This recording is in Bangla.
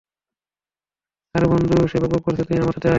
আরে বন্ধু, সে বকবক করছে, তুই আমার সাথে আয়।